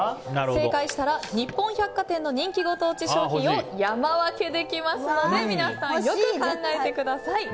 正解したら日本百貨店の人気ご当地商品を山分けできますので皆さん、よく考えてください。